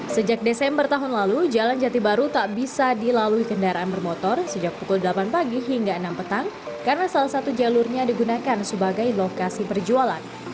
sejak desember tahun lalu jalan jati baru tak bisa dilalui kendaraan bermotor sejak pukul delapan pagi hingga enam petang karena salah satu jalurnya digunakan sebagai lokasi perjualan